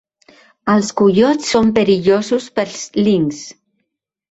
Els coiots són perillosos pels linxs.